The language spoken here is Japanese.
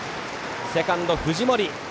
セカンドは藤森。